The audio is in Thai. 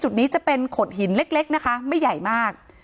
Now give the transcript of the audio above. จุดนี้จะเป็นโขดหินเล็กนะคะไม่ใหญ่มาก